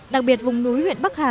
đặc biệt vùng núi huyện bắc hà